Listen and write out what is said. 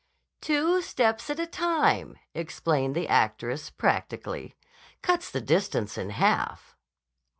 "Two steps at a time," explained the actress practically, "cuts the distance in half."